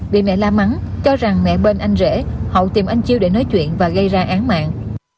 bị mẹ la mắn cho rằng mẹ bên anh rể hậu tìm anh chiêu để nói chuyện và gây ra án mạng